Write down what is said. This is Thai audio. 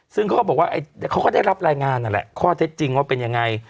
ซึ่งเขาก็บอกว่าเขาก็ได้รับรายงานนั่นแหละข้อเท็จจริงว่าเป็นยังไง